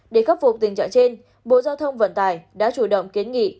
để khắc phục tình trạng trên bộ giao thông vận tải đã chủ động kiến nghị